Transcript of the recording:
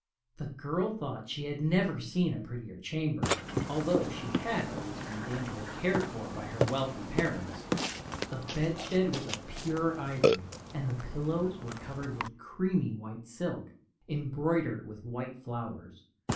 The girl thought she had never seen a prettier chamber, although she had always been daintily cared for by her wealthy parents. The bedstead was of pure ivory, and the pillows were covered with creamy white silk, embroidered with white flowers.